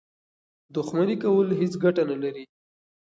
دښمني کول هېڅ ګټه نه لري.